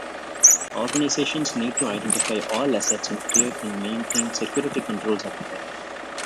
Organizations need to identify all assets and create and maintain security controls around them.